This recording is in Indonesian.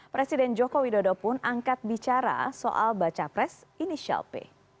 presiden joko widodo pun angkat bicara soal baca pres inisial p